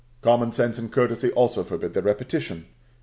Common sense and courtesy also forbid their repetition.